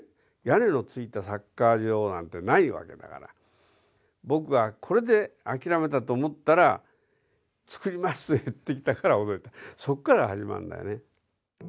屋根のついたサッカー場なんてないわけだから僕はこれで諦めたと思ったら「造ります」と言ってきたから驚いたそっから始まるんだよね